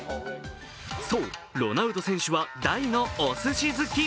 そう、ロナウド選手は大のおすし好き。